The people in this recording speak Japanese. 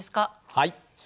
はい。